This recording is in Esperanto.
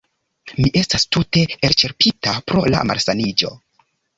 Mi estas tute elĉerpita pro la malsaniĝo